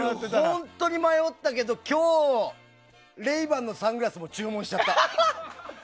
本当に迷ったけど今日、レイバンのサングラスも注文しちゃった。